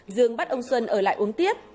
dương bắt ông xuân ở lại uống tiết